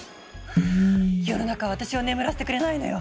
世の中は私を眠らせてくれないのよ！